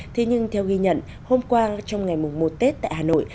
thế nhưng theo ghi nhận hôm qua trong ngày mùng một tết tại hà nội